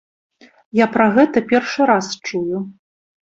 Я пра гэта першы раз чую.